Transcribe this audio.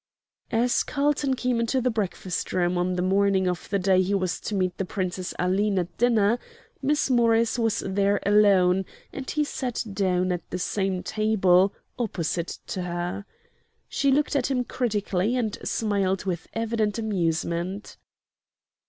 As Carlton came into the breakfast room on the morning of the day he was to meet the Princess Aline at dinner, Miss Morris was there alone, and he sat down at the same table, opposite to her. She looked at him critically, and smiled with evident amusement.